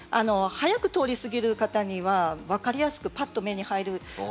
速く通り過ぎる方には分かりやすくパッと目に入る